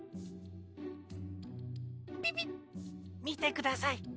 みてください。